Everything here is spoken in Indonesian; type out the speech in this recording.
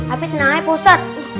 amit nah ini pesat